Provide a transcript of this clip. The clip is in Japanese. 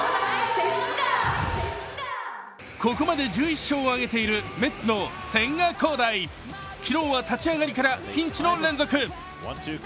ここまで１１勝を挙げているメッツの千賀滉大昨日は立ち上がりからピンチの連続。